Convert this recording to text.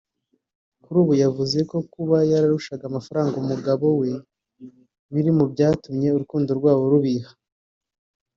Kuri ubu yavuze ko kuba yararushaga amafaranga umugabo we biri mu byatumye urukundo rwabo rubiha